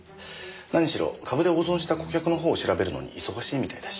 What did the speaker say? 何しろ株で大損した顧客の方を調べるのに忙しいみたいだし。